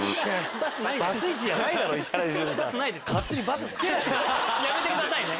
やめてくださいね！